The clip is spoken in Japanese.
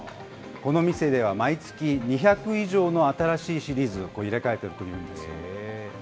この店では毎月、２００以上の新しいシリーズを入れ替えているんです。